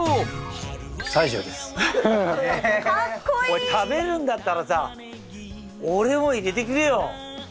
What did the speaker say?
おい食べるんだったらさ俺も入れてくれよ。